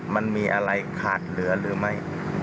มันมีอะไรขาดเหลือหรือไม่